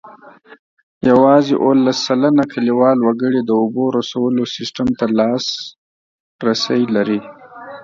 یوازې اوولس سلنه کلیوال وګړي د اوبو رسولو سیسټم ته لاسرسی لري.